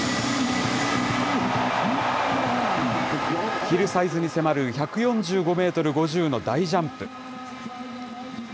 ヒルサイズに迫る１４５メートル５０の大ジャンプ。